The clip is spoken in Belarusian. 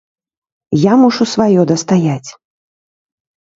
Я мушу сваё дастаяць.